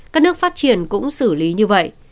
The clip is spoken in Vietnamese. các nước phát triển cũng xử lý như vậy